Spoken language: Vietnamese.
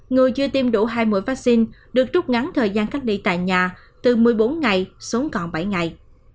người chưa tiêm đủ hai mũi vaccine được rút ngắn thời gian cách ly tại nhà từ một mươi bốn ngày xuống còn bảy ngày